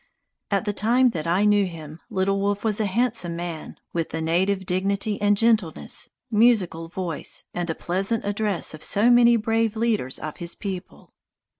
At the time that I knew him, Little Wolf was a handsome man, with the native dignity and gentleness, musical voice, and pleasant address of so many brave leaders of his people.